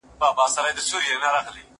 زه اجازه لرم چي ښوونځی ته ولاړ سم!.